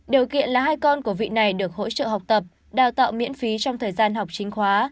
điều kiện là hai con của vị này được hỗ trợ học tập đào tạo miễn phí trong thời gian học chính khóa